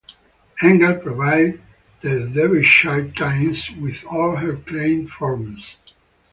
Engel provided the "Derbyshire Times" with all her claim forms.